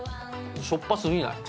しょっぱ過ぎない。